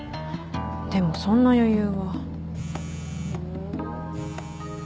でもそんな余裕は。